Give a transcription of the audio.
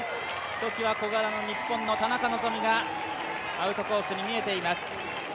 ひときわ小柄な日本の田中希実がアウトコースに見えています。